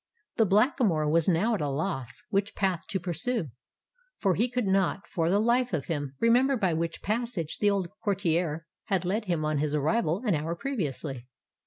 The Blackamoor was now at a loss which path to pursue; for he could not, for the life of him, remember by which passage the old courtier had led him on his arrival an hour previously.